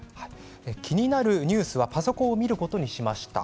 気になるニュースはパソコンで見ることにしました。